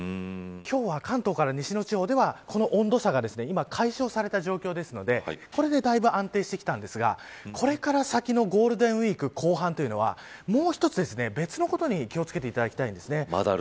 今日は関東から西の地方ではこの温度差が解消された状況ですのでこれでだいぶ安定してきたんですがこれから先のゴールデンウイーク後半というのはもう一つ、別のことに気を付けていただきたいです。